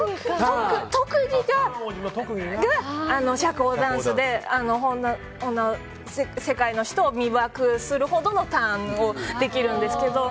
特技が社交ダンスで世界の人を魅惑するほどのターンができるんですけど。